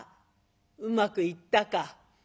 うまくいったか？」。